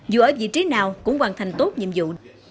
dù ở vị trí nào cũng hoàn thành tốt nhiệm vụ